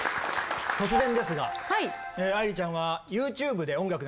突然ですが愛理ちゃんはＹｏｕＴｕｂｅで音楽なんかは聴きますか？